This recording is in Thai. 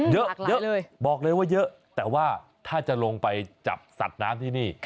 เยอะเยอะเลยบอกเลยว่าเยอะแต่ว่าถ้าจะลงไปจับสัตว์น้ำที่นี่